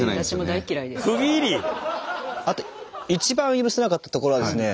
あと一番許せなかったところはですね